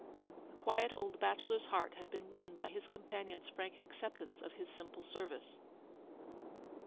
The quiet old bachelor's heart had been won by his companion's frank acceptance of his simple service.